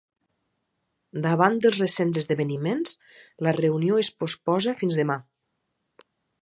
Davant dels recents esdeveniments, la reunió es postposa fins demà.